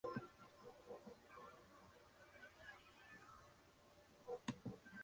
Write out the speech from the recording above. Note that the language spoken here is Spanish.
Los fieles de Esmirna no perdonaron diligencia para recoger las reliquias de san Policarpo.